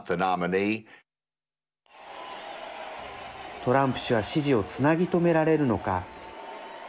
トランプ氏は支持をつなぎ止められるのか。